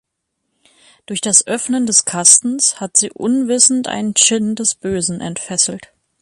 Durch das Öffnen des Kastens hat sie unwissend einen Dschinn des Bösen entfesselt.